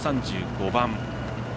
１３５番。